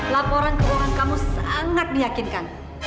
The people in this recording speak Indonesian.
laporan keuangan kamu sangat meyakinkan